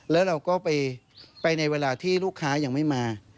แล้วเราก็ไปในเวลาที่ลูกค้ายังไม่มา